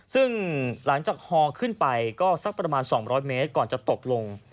ซึ่งหลังจากฮอขึ้นไปก็สักประมาณ๒๐๐เมตรก่อนจะตกลง